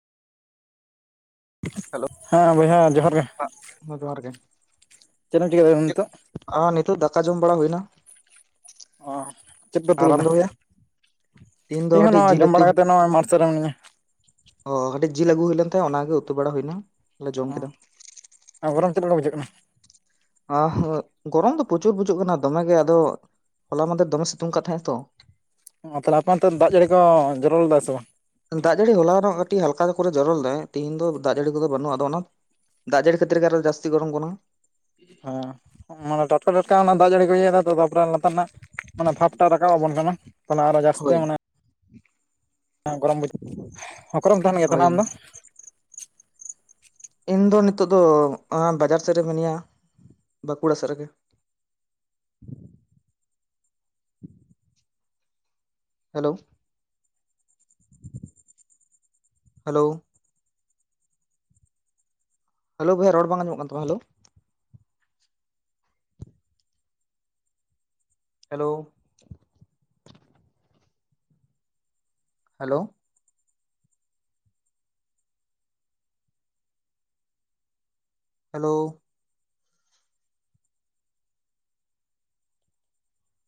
ᱦᱮᱸ ᱵᱚᱭᱦᱟ ᱡᱚᱦᱟᱨ ᱜᱮ ᱦᱮ ᱡᱚᱦᱟᱨ ᱜᱮ ᱪᱮᱫ ᱪᱤᱠᱟᱭ ᱫᱟᱢ ᱱᱤᱛᱚᱜ? ᱟᱨ ᱱᱤᱛᱳᱜ ᱫᱟᱠᱟ ᱡᱚᱢ ᱵᱟᱲᱟ ᱦᱩᱭᱱᱟ᱾ ᱚ ᱪᱮᱫ ᱯᱮ ᱛᱩᱞ ᱟᱨᱟᱢ ᱞᱮᱫᱟ? ᱫᱚ ᱦᱩᱭᱟ ᱛᱤᱦᱤᱧ ᱫᱚ ᱤᱧ ᱦᱚᱸ ᱠᱟᱹᱴᱤᱡ ᱱᱚᱜ ᱡᱤᱞ ᱡᱚᱢ ᱩᱛᱩ ᱵᱟᱲᱟ ᱠᱟᱛᱮ ᱱᱚᱜᱼ ᱢᱟᱨᱥᱟᱞ ᱨᱮ ᱢᱤᱱᱟᱹᱧᱟ᱾ ᱚ ᱠᱟᱹᱴᱤᱡ ᱡᱤᱞ ᱟᱹᱜᱩ ᱦᱩᱭ ᱞᱮᱱ ᱛᱟᱦᱮᱸ ᱚᱱᱟᱜᱮ ᱩᱛᱩ ᱵᱟᱲᱟ ᱦᱩᱭᱱᱟᱞ ᱞᱮ ᱡᱚᱢ ᱠᱮᱫᱟ᱾ ᱟᱨ ᱜᱚᱨᱚᱢ ᱪᱮᱫ ᱞᱮᱠᱟ ᱵᱩᱡᱟᱹᱜ ᱠᱟᱱᱟ? ᱟ ᱜᱚᱨᱚᱢ ᱫᱚ ᱯᱨᱚᱪᱩᱨ ᱵᱩᱡᱩᱜ ᱠᱟᱱᱟ ᱫᱚᱢᱮ ᱜᱮ ᱟᱫᱚ ᱦᱚᱞᱟ ᱢᱟᱫᱷᱮᱨ ᱫᱚᱢᱮ ᱥᱤᱛᱩᱝ ᱠᱟᱱ ᱛᱟᱦᱮᱸ ᱛᱚ ᱚ ᱛᱟᱦᱚᱞᱮ ᱟᱯᱮ ᱚᱱᱛᱮ ᱫᱟᱜ ᱡᱟᱹᱲᱤ ᱠᱚ ᱡᱚᱞᱚ ᱞᱮᱫᱟ ᱥᱮ ᱵᱟᱝ? ᱫᱟᱜ ᱡᱟᱹᱲᱤ ᱦᱚᱞᱟ ᱨᱮᱱᱟᱜ ᱠᱟᱹᱴᱤᱡ ᱦᱟᱞᱠᱟ ᱠᱚᱨᱮ ᱡᱚᱨᱚ ᱞᱮᱫᱟᱭ ᱛᱮᱦᱤᱧ ᱫᱚ ᱫᱟᱜ ᱡᱟᱹᱲᱤ ᱠᱚᱫᱚ ᱵᱟᱹᱱᱩᱜᱼᱟ ᱟᱫᱚ ᱚᱱᱟ ᱫᱟᱜ ᱡᱟᱹᱲᱤ ᱠᱷᱟᱹᱛᱤᱨ ᱜᱮ ᱟᱨᱚ ᱡᱟᱥᱥᱛᱤ ᱜᱚᱨᱚᱢ ᱠᱚᱱᱟ ᱦᱮᱸ ᱢᱟᱱᱮ ᱴᱟᱴᱠᱟ ᱴᱟᱴᱠᱟ ᱚᱱᱟ ᱫᱟᱜ ᱡᱟᱹᱲᱤ ᱠᱚ ᱤᱭᱟᱹᱭ ᱮᱫᱟ ᱛᱟᱯᱚᱨᱮ ᱞᱟᱟᱨ ᱨᱮᱱᱟᱜ ᱢᱟᱱᱮ ᱵᱷᱟᱵᱴᱟ ᱨᱟᱠᱟᱵ ᱟᱵᱚᱱ ᱠᱟᱱᱟ ᱛᱟᱦᱚᱞᱮ ᱟᱨᱚ ᱡᱟᱹᱥᱛᱤ ᱦᱳᱭ ᱢᱟᱱᱮ ᱜᱚᱨᱚᱢ ᱵᱩᱡᱷᱟᱹ ᱜᱚᱨᱚᱢ ᱛᱟᱦᱮᱱ ᱜᱮᱭᱟ ᱛᱟᱦᱮᱱᱟ ᱦᱳᱭ ᱟᱢ ᱫᱚ ᱤᱧ ᱫᱚ ᱱᱤᱛᱚᱜ ᱫᱚ ᱵᱟᱡᱟᱨ ᱥᱮᱫ ᱨᱮ ᱢᱤᱱᱟᱹᱧᱟ᱾ ᱵᱟᱸᱠᱩᱲᱟ ᱥᱮᱫ ᱨᱮᱜᱮ ᱦᱮᱞᱳ ᱦᱮᱞᱳ ᱦᱮᱞᱳ ᱵᱷᱟᱭ ᱨᱚᱲ ᱵᱟᱝ ᱧᱟᱢᱚᱜ ᱠᱟᱱᱟᱢ ᱦᱮᱞᱳ ᱦᱮᱞᱳ ᱦᱮᱞᱳ ᱦᱮᱞᱳ